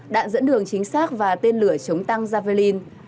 đạn dẫn đường chính xác và tên lửa chống tăng javelin